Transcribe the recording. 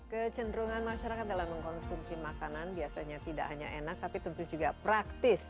kecenderungan masyarakat dalam mengkonsumsi makanan biasanya tidak hanya enak tapi tentu juga praktis